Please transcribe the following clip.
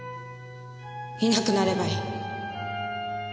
いなくなればいい。